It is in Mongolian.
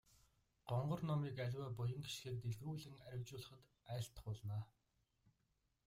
Гонгор номыг аливаа буян хишгийг дэлгэрүүлэн арвижуулахад айлтгуулна.